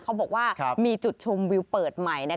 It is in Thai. เขาบอกว่ามีจุดชมวิวเปิดใหม่